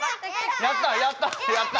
やった！